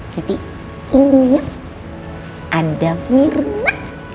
tapi ini ada mirna